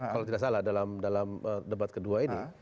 kalau tidak salah dalam debat kedua ini